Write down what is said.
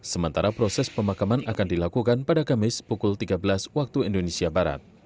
sementara proses pemakaman akan dilakukan pada kamis pukul tiga belas wib